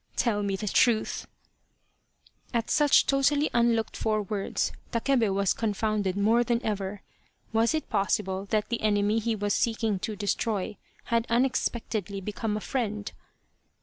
" Tell me the truth !" At such totally unlooked for words, Takebe was confounded more than ever. Was it possible that the enemy he was seeking to destroy had unexpectedly become a friend